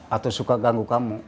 atau suka ganggu kamu